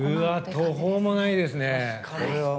途方もないですね。